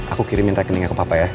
aku kirimin rekeningnya ke papa ya